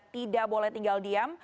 tidak boleh tinggal diam